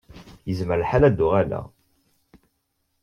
Yezmer lḥal ad d-uɣaleɣ.